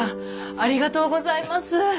ありがとうございます。